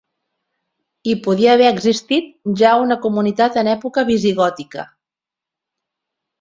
Hi podia haver existit ja una comunitat en època visigòtica.